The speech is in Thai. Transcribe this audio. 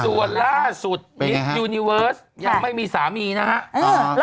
ส่วนล่าสุดมิสยูนิเวิร์สยังไม่มีสามีนะครับ